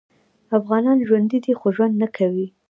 افغانان ژوندي دي خو ژوند نکوي